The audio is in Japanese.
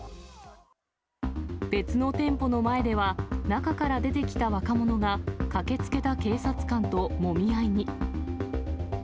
別の店舗の前では、中から出てきた若者が、駆けつけた警察官ともみ合いに。